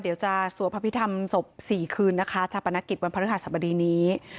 สวดพระพิธรรมศพ๔คืนนะคะชาปนกิจวันพระฤหัสบดีนี้